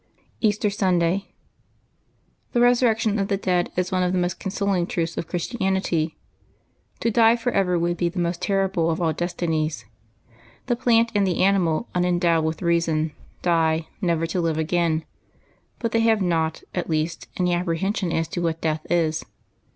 '' EASTER SUNDAY. ^^HE resurrection of the dead is one of the most consol V^ ing truths of Christianity. To die forever would be the most terrible of all destinies. The plant and the animal, unendowed with reason, die, never to live again; but they have not, at least, any apprehension as to what death is.